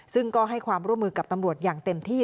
ซึ่งก็ให้ความร่วมมือกับตำรวจอย่างเต็มที่